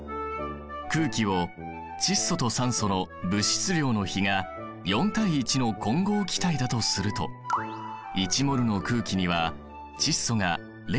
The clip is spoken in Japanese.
空気を窒素と酸素の物質量の比が４対１の混合気体だとすると１ｍｏｌの空気には窒素が０．８０ｍｏｌ